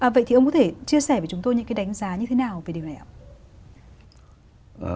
vậy thì ông có thể chia sẻ với chúng tôi những cái đánh giá như thế nào về điều này ạ